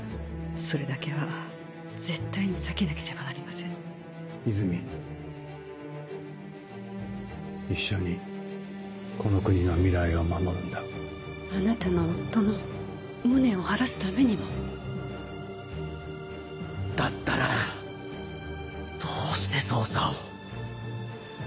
それだけは絶対に避けなければなりま和泉一緒にこの国の未来を守るんだあなたの夫の無念を晴らすためにもだったらどうして捜査を。